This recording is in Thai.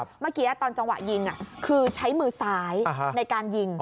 เมื่อกี้ตอนจังหวะยิงคือใช้มือซ้ายในการยิง